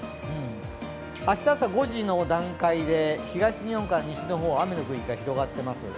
明日朝５時の段階で東日本から西の方、雨の区域が広がっています